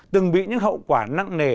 từng bị những hậu quả nặng nề